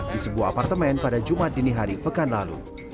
di sebuah apartemen pada jumat dini hari pekan lalu